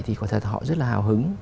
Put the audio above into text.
thì họ rất là hào hứng